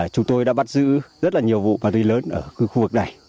chúng tôi đã bắt giữ rất là nhiều vụ ma túy lớn ở khu vực này